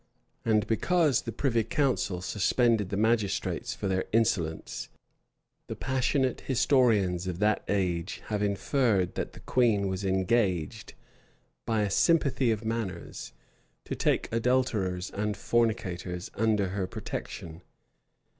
[] And because the privy council suspended the magistrates for their insolence, the passionate historians[v] of that age have inferred that the queen was engaged, by a sympathy of manners, to take adulterers and fornicators under her protection.